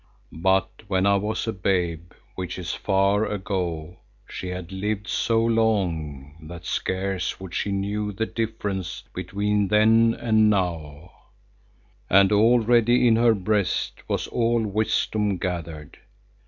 But when I was a babe, which is far ago, she had lived so long that scarce would she know the difference between then and now, and already in her breast was all wisdom gathered.